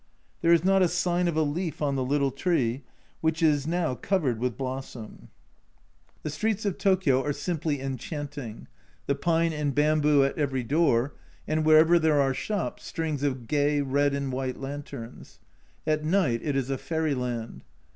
There is not a sign of a leaf on the little tree, which is now covered with blossom. 86 A Journal from Japan The streets of Tokio are simply enchanting, the pine and bamboo at every door, and wherever there are shops, strings of gay red and white lanterns. At night it is a fairy land.